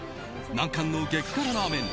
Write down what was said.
難関の激辛ラーメン